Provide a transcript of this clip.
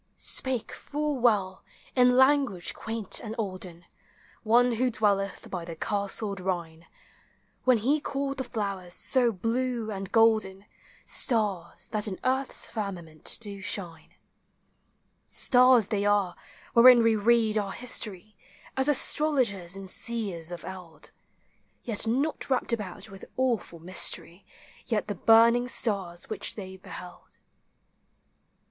Spake full well, in language quaint and olden, One who dwelleth by the castled Rhine, When he called the flowers, so blue and golden, Stars, that in earth's firmament do shine. TREES: FLOWERS: PLANTS. 239 Stars they are, wherein we read our history, As astrologers and seers of eld; Yet not wrapped about with awful mystery, Like the burning stars which they beheld.